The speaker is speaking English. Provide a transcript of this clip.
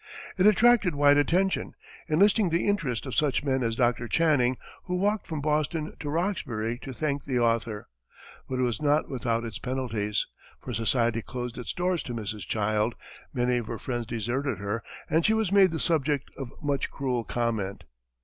It attracted wide attention, enlisting the interest of such men as Dr. Channing, who walked from Boston to Roxbury to thank the author. But it was not without its penalties, for society closed its doors to Mrs. Child, many of her friends deserted her, and she was made the subject of much cruel comment.